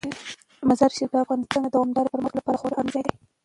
مزارشریف د افغانستان د دوامداره پرمختګ لپاره خورا اړین ځای دی.